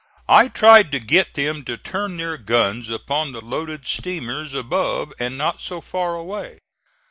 I tried to get them to turn their guns upon the loaded steamers above and not so far away.